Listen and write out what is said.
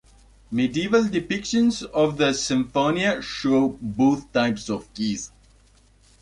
Medieval depictions of the "symphonia" show both types of keys.